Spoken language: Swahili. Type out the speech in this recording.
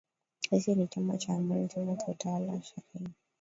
“Sisi ni chama cha Amani, chama cha utawala wa sharia.